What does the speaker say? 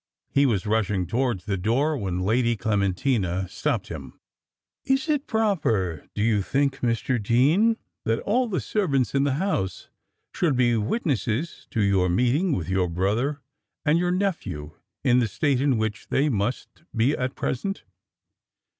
He was rushing towards the door, when Lady Clementina stopped him. "Is it proper, do you think, Mr. Dean, that all the servants in the house should be witnesses to your meeting with your brother and your nephew in the state in which they must be at present?